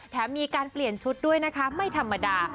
แถมมีการเปลี่ยนชุดด้วยนะคะไม่ธรรมดา